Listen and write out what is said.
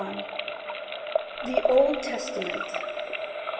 THE OLD TESTAMENT.